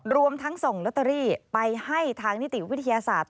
รวมทั้งส่งลอตเตอรี่ไปให้ทางนิติวิทยาศาสตร์